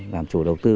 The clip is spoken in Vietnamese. làm chủ đầu tư